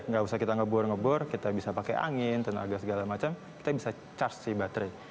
gak usah kita ngebor ngebor kita bisa pakai angin tenaga segala macam kita bisa charge si baterai